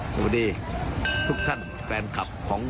สวัสดีทุกท่านแฟนคลับของ